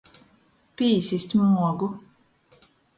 Pīsist muogu.